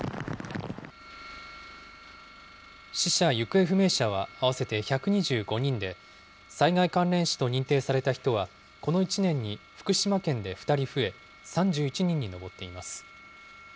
死者・行方不明者は合わせて１２５人で、災害関連死と認定された人は、この１年に福島県で２人増え、３１人に上っています。